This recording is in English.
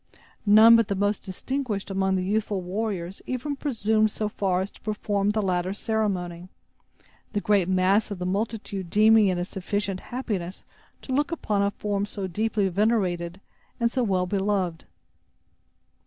None but the most distinguished among the youthful warriors even presumed so far as to perform the latter ceremony, the great mass of the multitude deeming it a sufficient happiness to look upon a form so deeply venerated, and so well beloved.